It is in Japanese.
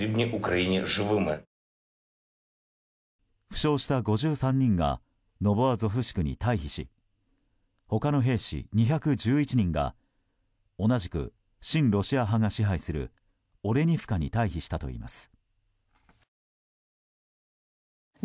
負傷した５３人がノボアゾフシクに退避し他の兵士２１１人が同じく親ロシア派が支配するオレニフカに退避したといいます。